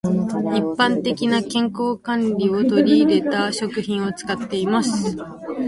一般的な健康管理を取り入れた食品を使っています。